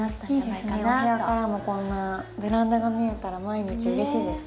お部屋からもこんなベランダが見えたら毎日うれしいですね。